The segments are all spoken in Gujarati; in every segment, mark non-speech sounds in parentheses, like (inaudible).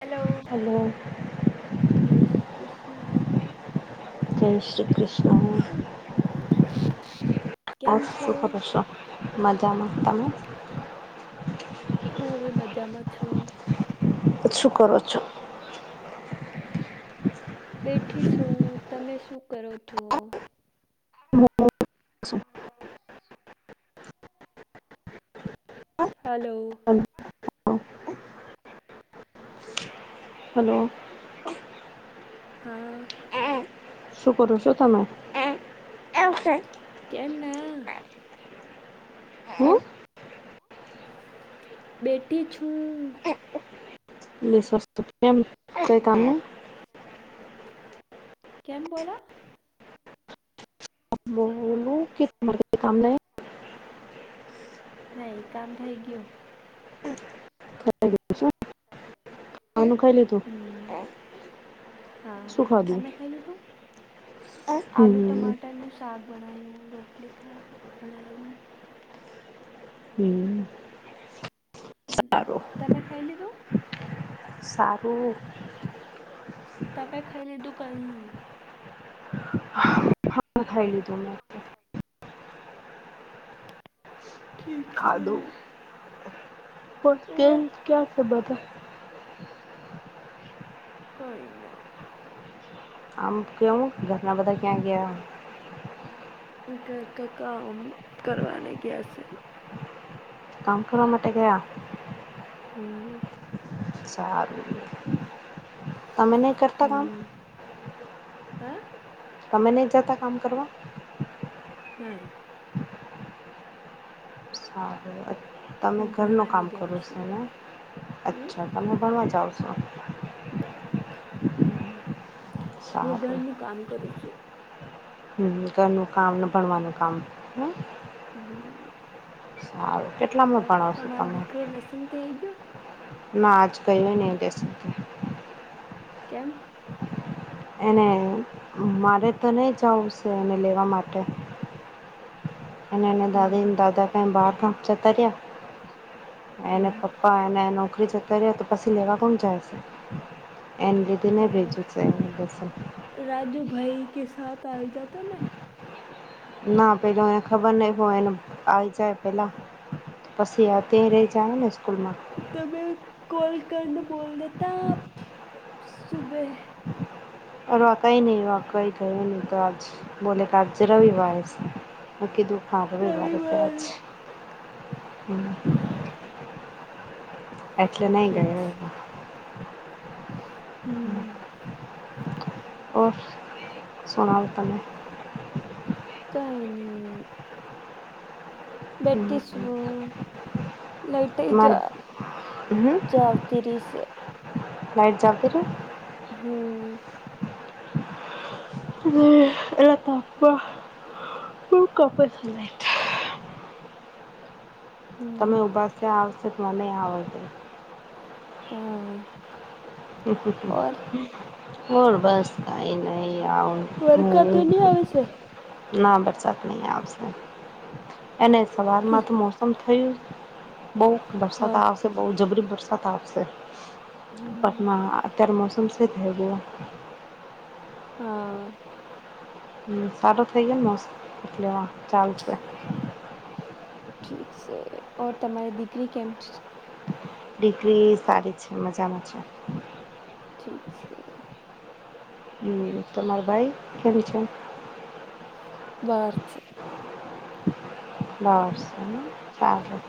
હલો, હલો જય શ્રી કૃષ્ણ. જય શ્રી કૃષ્ હમ્મ, કેમ ઔર છો શું કરો હું છો? મજામાં તમે? હું હવે મજામાં છું. શું કરો છો? શું કર છો? બેઠી શું. તમે શું કરો છો? (unintelligible) હલો. (unintelligible) હલો. હા. શું કરું છું તમે? કેમના. હા. બેઠી છુ. વૈશ ત કેમ કેઇ કામ નઇ. કેમ બોલા? બોલું કેર કામના. નહી કામ થઇ ગયો. ખાવાનું ખાઇ લી. હમ, શું હા, ખાવાનું તમે ખાઈ લીધું. ખાઈ આલુ લીધું શું ખાધું હમ ટમાટરનું સાગ બનાયુ, રોટલી ખા બનાઈ. હમ, સારું. તમે ખાઈ લીધું. સારું. તમે ખઈ લીધું કઈ? હા, ખાઈ લીધું મેં. ઠીક છે ખાધું તે ઓર ક્યા છે, બધા. કઈના. આમ કેવું ઘરના બધા ક્યાં ગયા? હ. ઘર કા કામ કરવાને ગયા છે. કામ કરવા માટે ગયા. હમ. સારું. તમે નહી કરતા કામ હમ, હે. તમે નહીં જતા કામ કરવા. નહિં. સારું તમે હું ઘરનું ભણવાને કામ જાઉં કરો છો છું ને, હમ અચ્છા. ને ભણવા જાઓ છો. હ, હું સારું ઘરનું કામ કરું છું. હમ ઘરનું કામ ને, ભણવાનું કામ નહીં. હમ. સારું, કેટલા ઓર તમારો દીકરો લેસનથી આવી ગયો. ના આજ કર્યો નહી, લેસનકતી. કેમ? એને મારે તો નહીં જવું શે, એને લેવા માટે. અને એ હમ દાદી-દાદા ક એ બહાર ક જતાર્યા અને હમ પપ્પ પા પણ એને નોકરી જતા રહેયા તો, પછી લેવા કોણ જાય છે, એની રીતે નહિ ભેજયો છે, ટ્યુશન. રાજુ ભાઈ કે, સાથ આઇ જતો ને‌. ના પેલો એને ખબર નહીં હોય, એને આવી જાય. પહેલાં પછી અત્યારે જાય ને, સ્કૂલમાં. તો તમે કોલ કરને, બોલ દેતા આપ, સુબહ. અ વા કઈ નહિ વા કઈ ઘરે નહીં થા આજ, (unintelligible) બોલે ક આજ રવિવાર છે. હું કીધું. હા રવિવારે તે રવિવાર આજ હ. એટલે નહીં ઠીક ગયો છે એ હમ ઓર સોણાવ તમે? કાઈ ની. બેઠી છુ. લાઇટ તમારે હમ જા જતી રેસ. લાઈટ જંપ હમ હે બાપા ખબર નહી. એ હમ ભાષા આવશે તો મને નહિ આવડશે. હમ હમ હ બોલ બસ કઈ નહીં વરખા તો નહીં આવડતું. આવે છે ના વરસાદ નહી આવતો. અને સવારમાં તો મોસમ થયું તુ બહુ વરસાદ હા આવશે. બહુ જબરો વરસાદ આવશે. હમ હા અત્ય્યારે મોસમ કેવો થઈ રહ્યો. હા. હા સારું થઈ જાયને મોસમ એટલેમાં ચાલશે. ઠીક છે. ઓ તમારી દીકરી કેમ છે. દીકરી સારી છે. મજામાં છે. ઠીક છે. હમ. તમારા ભાઈ કેમ છે? બસ છે. બસ સારું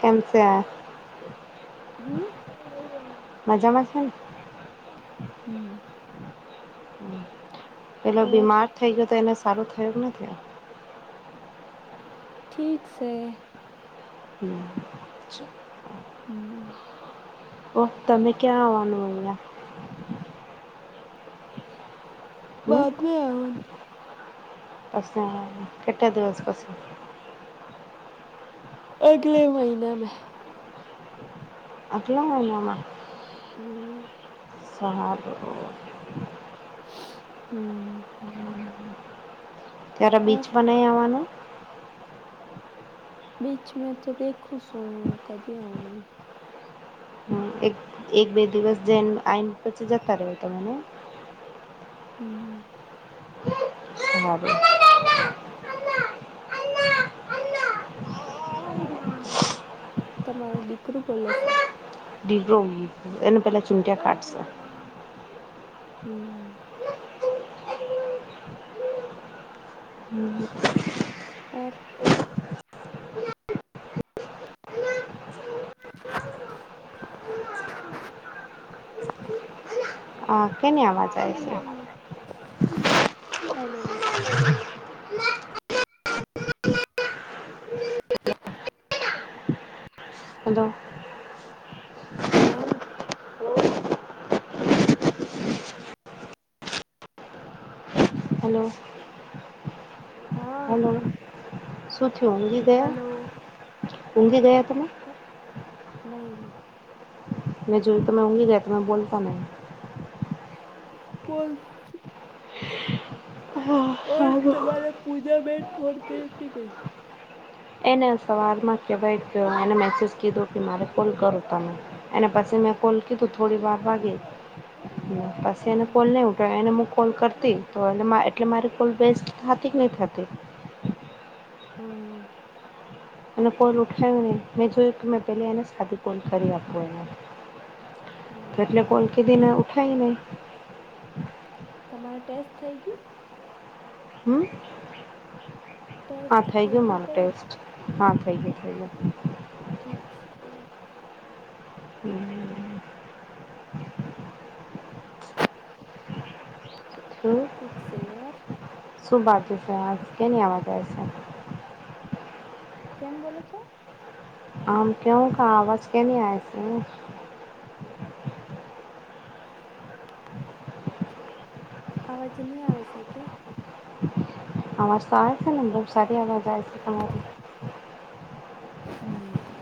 કેમ છે. આ હમ. મજામાં છે ને? હમ. પેલો ઓર બીમાર થઈ ગયો તો એને સારો થયો કે ન થયો. ઠીક છે. હમ હમ ઓ તમે ક્યાં આવવાનું અહીંયા? હમ બાદમાં આવાનું. બસમાં આવાનું કેટલા દિવસ પછી. અગલે મહિને મેં. આગલા મહિના માં. હમ હા તો. હમ ત્યારે ઓર બીચમાં નહીં આવવાનું. બીચ મે તો દેખું છુ કદી આવુ નહીં. હમ એક એક બે દિવસ જઈને આઈને પછી જતા રહો તમે એમ. હમ. બરાબર. હ (unintelligible) તમારો દીકરો બોલે છે? દિકરો એને પેલા ચૂટિયા કાઢશે. હમ. ઓર? (inaudible) હાં. હલો. (inaudible) હલો. હા. હલો. હા. શુંથી ઊંઘી ગયા, હલો ઊંઘી ગયા તમે? નહી. મેં જો તો મેં ઊઘી રહયાતા મેં બલતાહીં. ફોલ હા અ સારું તમારા પૂજાબન ફોન કરી એક કર એને સવારમાં કહેવાય કે એને મેસેજ કીધો કે મારે ફોલ કરો તમે. અને પછી મેં કોલ કીધું થોડી વાર વાગી. એને હમ કોલ નહીં ઉઠવા એને હું કોલ કરતી તો એ એટલે મારી કોલ બેસ્ટ થતી કે નહીં થતી. હમ. અને કોલ ઉઠાયું નને મેં જોયું કે મેં પહેલી એને સાદીું કોલ કરી આપું એમાં. હા તો એટલે કોલ કીધી ને ઉઠાવ નને. તમારે ટેસ્ટ થઈ ગયું? હમ. હા થઈ ગયું મારો ટેસ્ટ હા થઈ ગયોું થઈ ગયું. ઠીક છે. હમ. ઠીક છે અર. સુભ આ જશે આજ કે ન આવાય છે. કેમ બોલો છો? આમ કેું કા આવાજ કે ન આ છે? અવાજ નહી આવે છે કે? અવાજ તો આવે છે ને બહબ સારી અવાજ આવે છે તમારી. હમ.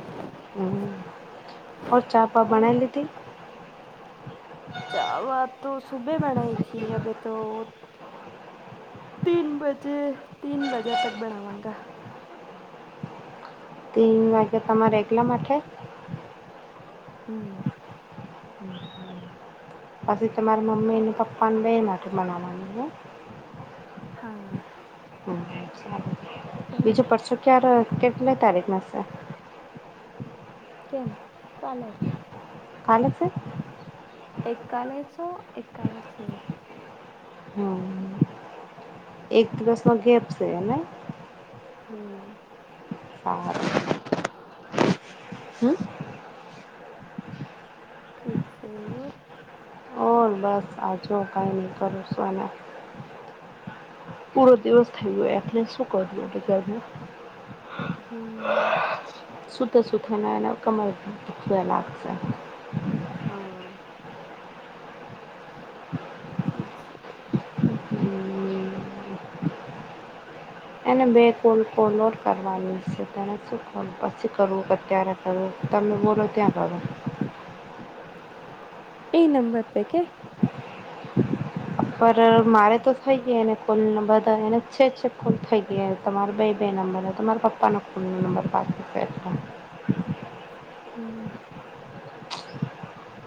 હ ઓ ચાપ ઓર બના લીધ? ચાવા તો સુબે બનાઈ હતીથી અભ તો તીન બજે તીન બજે તક બનાવગ. તન વાગે તમારે એકલામ માટે? હમ પછી તમારી મમ્મી ને પપ્પા ને બે માટે મનાવાનુ હો હા બીજું પરસો ક્યારે કેટલી તારીખમાં છે કેમ, કાલે કાલે છે એક કાલે છો એકકાલે છે હમ એક દિવસ નો ગેપ સે નઈ હમ હા હમ ઠીક છે હોર ઓર બસ આજો કાઈ નીકરુ હું આના પૂરો દિવસ થઈ ગયો એટલે શું કર્યું ઘરમાં હમ સુતા સુતા ના એ અને કમર દખવા લાગશે હા ઠીક સે હમ એને બે કોલ કોલોડ કરવાની સે તેને શું પણ પછી કરું કે અત્યારે કરું તમે બોલો ત્યાં કરો એ નંબર પે કે પર મારે તો થઈ ગઈ એને કોલ નંબર એને છે છે કૂલ થઈ ગયા તમારા બે બેાઈ નંબર તમારા પપ્પાનો કૂલનો નંબર પાસે થટ હમ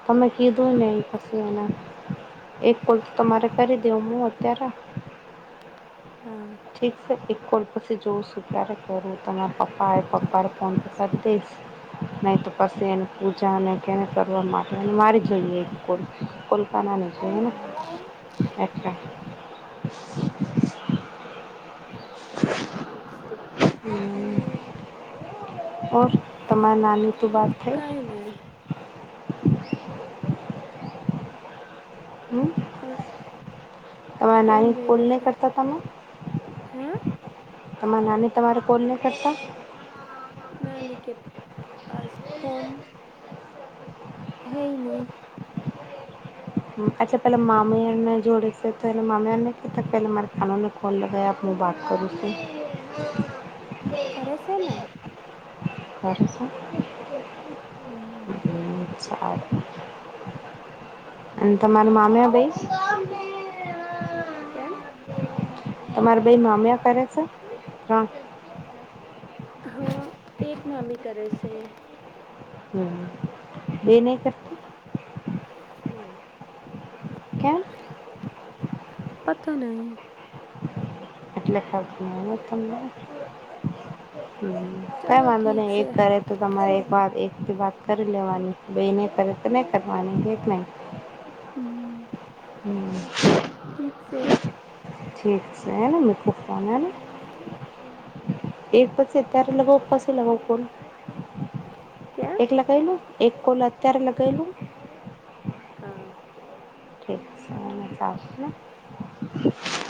તમે કીધું ને એ પછી એના, એક પલ તો તમારે કરી દેવ હું અત્યારે હા ઠીક છે એક કોલ પછી જોઉં છું ક્યારે કરું તમારા પપ્પાએ પપ્પાએ ફોન કર પતિશ, નહીં તો પછી એની પૂજા અને કેને કરવા માટે મારી જોઈએ કોલ કોલપાનાની જોઈએને ઠીક સે ઓ તમાર નાની તો બાત થઈ કાંઈ નહીં હમ અડ તમારા કેમ નાની કોલ બેરી નહીં છે કરતા હે તમાર નાની તમારે કોલ ની કરતા નાની કે પાસ ફોન હેઈ ની અચ્છા પેલા મામ્યાને જોડે છે તો માામ્યાનેતા પલા મારે ખાને મે ફોન લગાયાઆપું વાત કરું છુ કરે સેને કરે સે હમ સારુ અને હા તમારા મામ્યા ભાઈ કેમ તમારે ભાઈ મામ્યા કરે સે હ હા, એક માામી કરે સે હમ, એની કરતા નઈ કેમ પતા નહી એટલેને (unintelligible) હમ્મ કઈ ચલો વાંધો ઠીક નહી એ છે કરે તો તમારે એક વાત એક વાત કરી લેવાની બે ની કરે તો નઈ કરવાની એક નહીં હમ્મ હમ ઠીક શે ઠીક છે એને મુકું ફોન એક અ સિતેર લોકોને પસી લાગવું ફોન કેમ એક લગાયલું એક કોલ અત્યારે લગાયલું હા (inaudible)